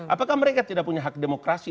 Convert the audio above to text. apakah mereka tidak punya hak demokrasi